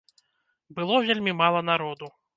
Было вельмі мала народу.